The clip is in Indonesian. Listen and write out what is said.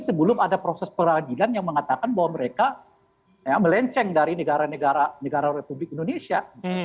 sebelum ada proses peradilan yang mengatakan bahwa mereka melenceng dari negara negara republik indonesia